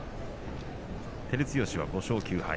照強、５勝９敗。